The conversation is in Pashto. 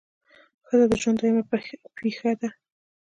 ښځه د ژوند دویمه پهیه ده.